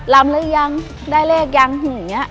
ลำหรือยังได้เลขยังอย่างนี้